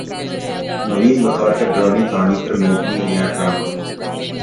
نوین وقار کا ڈرانی کہانی پر مبنی نیا ڈراما